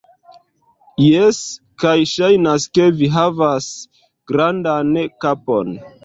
Jes, kaj ŝajnas ke vi havas grandan kapon